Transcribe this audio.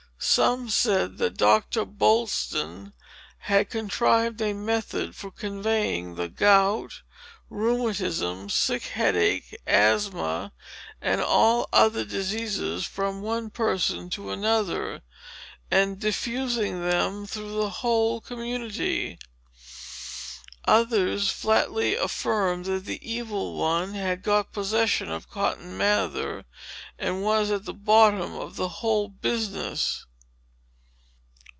Some said, that Doctor Boylston had contrived a method for conveying the gout, rheumatism, sick headache, asthma, and all other diseases, from one person to another, and diffusing them through the whole community. Others flatly affirmed that the Evil One had got possession of Cotton Mather, and was at the bottom of the whole business.